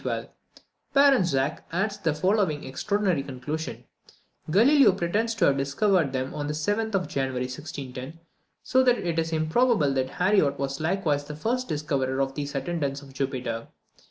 Baron Zach adds the following extraordinary conclusion: "Galileo pretends to have discovered them on the 7th of January, 1610; so that it is not improbable that Harriot was likewise the first discoverer of these attendants of Jupiter."